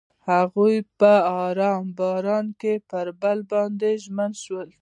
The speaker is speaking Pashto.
هغوی په آرام باران کې پر بل باندې ژمن شول.